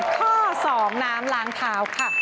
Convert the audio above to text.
ข้อ๒น้ำล้างเท้าค่ะ